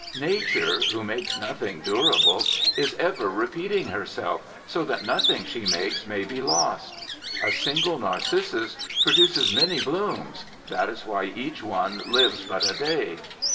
Nature, who makes nothing durable, is ever repeating herself, so that nothing she makes may be lost. A single narcissus produces many blooms that is why each one lives but a day.